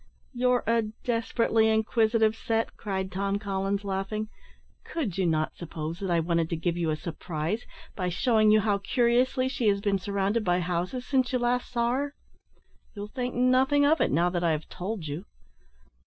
"You're a desperately inquisitive set," cried Tom Collins, laughing. "Could you not suppose that I wanted to give you a surprise, by shewing you how curiously she has been surrounded by houses since you last saw her. You'll think nothing of it, now that I have told you."